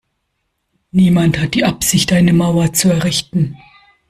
Niemand hat die Absicht eine Mauer zu errichten.